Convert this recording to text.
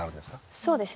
そうですね。